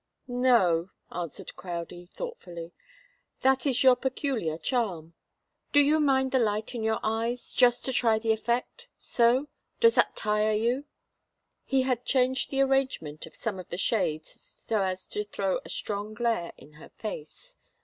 "No," answered Crowdie, thoughtfully. "That is your peculiar charm. Do you mind the light in your eyes? Just to try the effect? So? Does that tire you?" He had changed the arrangement of some of the shades so as to throw a strong glare in her face.